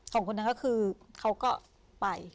คนนั้นก็คือเขาก็ไป